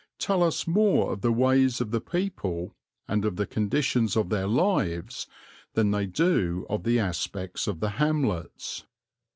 tell us more of the ways of the people, and of the conditions of their lives, than they do of the aspects of the hamlets.